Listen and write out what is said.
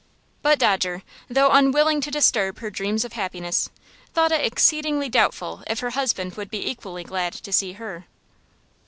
But Dodger, though unwilling to disturb her dreams of happiness, thought it exceedingly doubtful if her husband would be equally glad to see her.